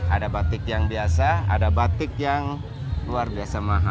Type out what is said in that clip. ada batik yang biasa ada batik yang luar biasa mahal